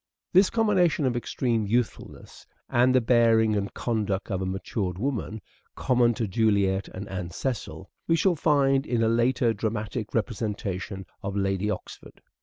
This combination of extreme youthfulness and the bearing and conduct of a matured woman, common to Juliet and Anne Cecil, we shall find in a later dramatic representation of Lady Oxford.